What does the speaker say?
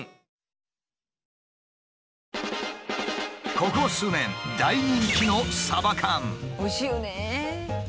ここ数年大人気のおいしいよね。